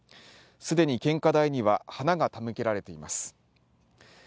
既に献花台には花が手向けられています。